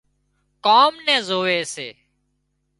ڪام نين زووي سي